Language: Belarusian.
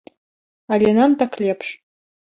Але нам так лепш.